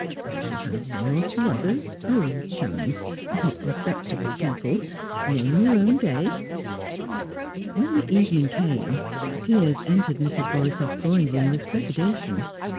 I shall have one or two others, old chums, not respectable people. Name your own day." When the evening came, Piers entered Mrs. Borisoff's drawing room with trepidation.